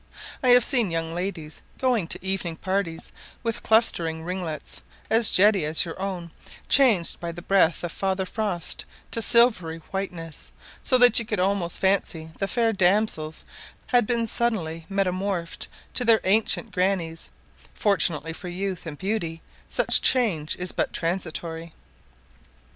I have seen young ladies going to evening parties with clustering ringlets, as jetty as your own, changed by the breath of Father Frost to silvery whiteness; so that you could almost fancy the fair damsels had been suddenly metamorphosed to their ancient grannies; fortunately for youth and beauty such change is but transitory.